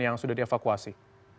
yang sudah dievakuasi